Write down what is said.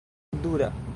dura